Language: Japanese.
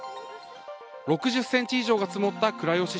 ６０ｃｍ以上が積もった倉吉市。